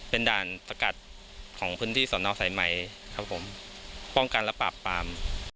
เป็นด่านสกัดของพื้นที่สอนอสายไหมครับผมป้องกันและปราบปาม